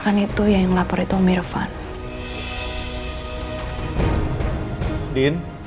kan itu yang melapor itu mirvan